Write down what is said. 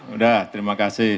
udah terima kasih